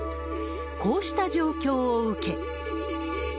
こうした状況を受け。